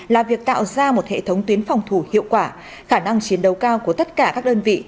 là việc tạo ra một hệ thống tuyến phòng thủ hiệu quả khả năng chiến đấu cao của tất cả các đơn vị